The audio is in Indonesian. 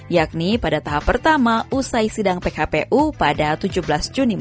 yakni pada tahap pertama usai sidang pkpu pada tujuh belas juni